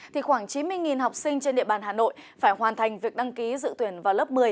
thì khoảng chín mươi học sinh trên địa bàn hà nội phải hoàn thành việc đăng ký dự tuyển vào lớp một mươi